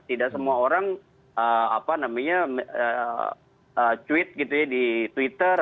tidak semua orang tweet gitu ya di twitter